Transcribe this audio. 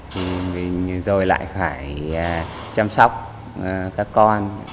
thì mình rồi lại phải chăm sóc các con